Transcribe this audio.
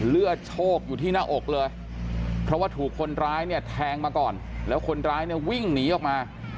เลือดโชคอยู่ที่หน้าอกเลยเพราะว่าถูกคนร้ายเนี่ยแทงมาก่อนแล้วคนร้ายเนี่ยวิ่งหนีออกมา